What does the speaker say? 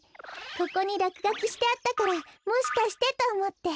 ここにらくがきしてあったからもしかしてとおもって。